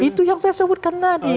itu yang saya sebutkan tadi